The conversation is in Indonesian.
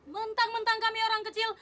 mentang mentang kami orang kecil